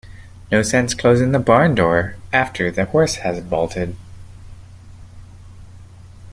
No sense closing the barn door after the horse has bolted.